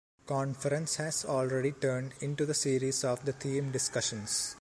Conference has already turned into the series of the theme discussions.